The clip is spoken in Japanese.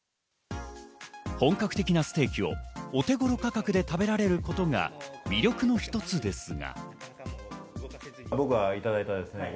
本格的なステーキをお手頃価格で食べられることが魅力の一つですが。